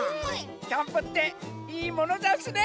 キャンプっていいものざんすね！